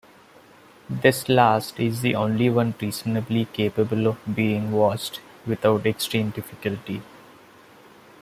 This last is the only one reasonably capable of being watched without extreme difficulty.